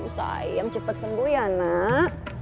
sayang cepet sembuh ya anak